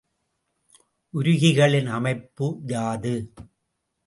உருகிகளின் அமைப்பு யாது?